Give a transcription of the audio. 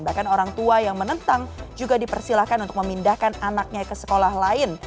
bahkan orang tua yang menentang juga dipersilahkan untuk memindahkan anaknya ke sekolah lain